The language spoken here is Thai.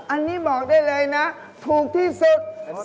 อันนี้บอกได้เลยนะถูกที่สุด